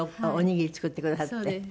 おにぎり作ってくださって。